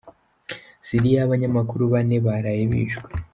Siliya Abanyamakuru Bane baraye bishwe